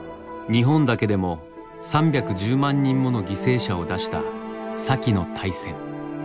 日本だけでも３１０万人もの犠牲者を出した先の大戦。